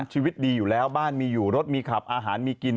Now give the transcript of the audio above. ชีวิตดีอยู่แล้วบ้านมีอยู่รถมีขับอาหารมีกิน